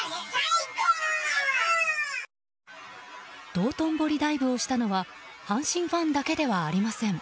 道頓堀ダイブをしたのは阪神ファンだけではありません。